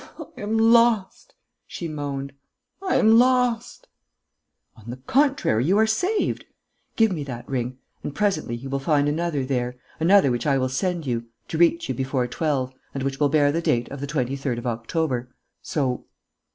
"I am lost!" she moaned. "I am lost!" "On the contrary, you are saved! Give me that ring ... and presently he will find another there, another which I will send you, to reach you before twelve, and which will bear the date of the 23rd of October. So